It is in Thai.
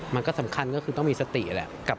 มันก็สำคัญก็คือต้องมีสติแหละ